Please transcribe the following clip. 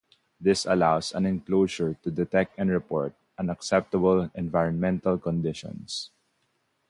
This allows an enclosure to detect and report unacceptable environmental conditions.